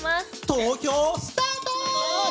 投票、スタート！